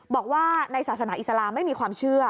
บอกว่าในศาสนาอิสลามไม่มีความเชื่อ